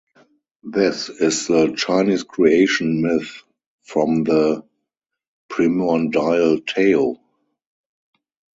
This is the Chinese creation myth from the primordial Tao.